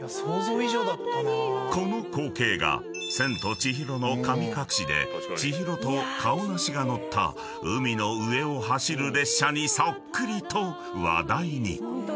［この光景が『千と千尋の神隠し』で千尋とカオナシが乗った海の上を走る列車にそっくりと話題に］